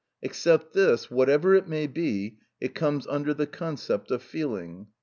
Except this, whatever it may be, it comes under the concept of feeling.